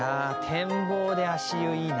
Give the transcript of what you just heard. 展望で足湯いいな」